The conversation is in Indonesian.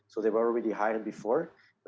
jadi mereka sudah dipanggil sebelumnya